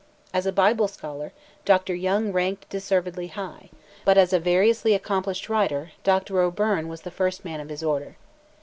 As a Bible scholar, Dr. Young ranked deservedly high, but as a variously accomplished writer, Dr. O'Beirne was the first man of his order.